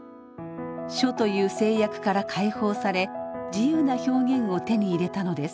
「書」という制約から解放され自由な表現を手に入れたのです。